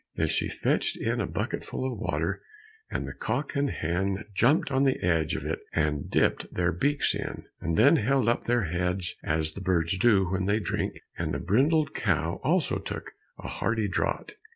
Then she fetched in a bucketful of water, and the cock and hen jumped on to the edge of it and dipped their beaks in, and then held up their heads as the birds do when they drink, and the brindled cow also took a hearty draught.